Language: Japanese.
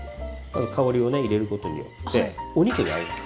香りをね入れることによってお肉に合います。